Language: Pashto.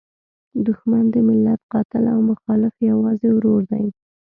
دوښمن د ملت قاتل او مخالف یوازې ورور دی.